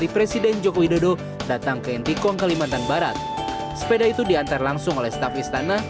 presiden joko widodo datang ke ntkong kalimantan barat sepeda itu diantar langsung oleh staf istana